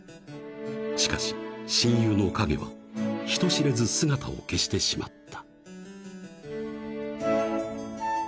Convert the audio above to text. ［しかし親友のカゲは人知れず姿を消してしまった］